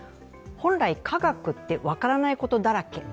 本来、科学って分からないことだらけ。